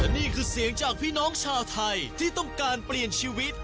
นี่คือเสียงจากพี่น้องชาวไทยที่ต้องการเปลี่ยนชีวิต